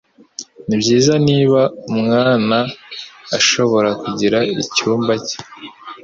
Nibyiza niba umwana ashobora kugira icyumba cye.